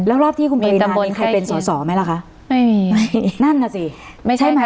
แล้วรอบที่คุณปรินามีใครเป็นส่อส่อไหมล่ะคะไม่มีนั่นน่ะสิใช่ไหมไม่ใช่ค่ะ